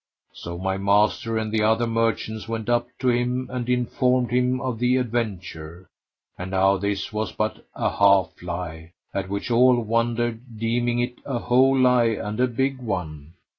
So my master and the other merchants went up to him and informed him of the adventure, and how this was but a half lie, at which all wondered, deeming it a whole lie and a big one.